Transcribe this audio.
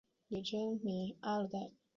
女真名阿鲁带。